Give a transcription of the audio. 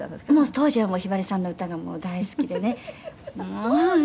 「当時はもうひばりさんの歌が大好きでねもうね」